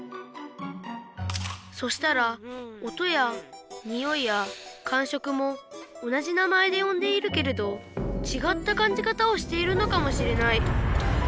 そしたら音やにおいやかんしょくも同じ名前でよんでいるけれどちがったかんじかたをしているのかもしれない。